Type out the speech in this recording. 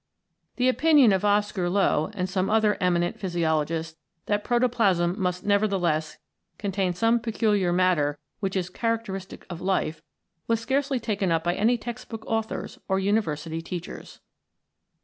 The opinion of Oscar Loew and some other eminent physiologists that protoplasm must nevertheless contain some peculiar matter which is characteristic of life was scarcely taken up by any textbook authors or University teachers.